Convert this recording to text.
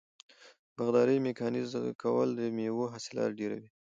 د باغدارۍ میکانیزه کول د میوو حاصلات ډیروي.